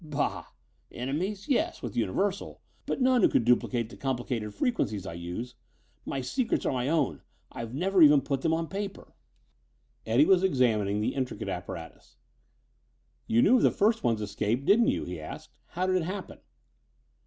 "Bah! Enemies, yes with Universal but none who could duplicate the complicated frequencies I use. My secrets are my own. I've never even put them on paper." Eddie was examining the intricate apparatus. "You knew of the first one's escape, didn't you?" he asked. "How did it happen?"